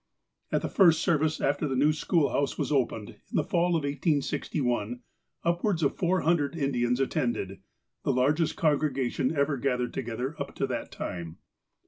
At the first service after the new schoolhouse was opened, in the Fall of 1861, upwards of four hundred Indians attended, the largest congregation ever gathered together up to that time.